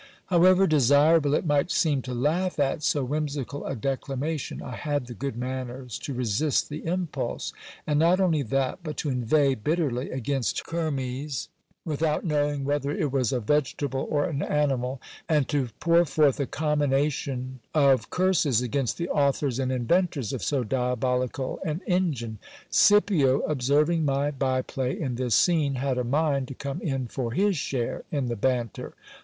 However desirable it might seem to laugh at so whimsical a declamation, I had the good manners to resist the impulse ; and not only that, but to inveigh bitterly against kermes, without knowing whether it was a vegetable or an animal, and to pour forth a commination of curses against the authors and inventors of so diabolical an engine. Scipio, observing my by play in this scene, had a mind to come in for his share in the banter.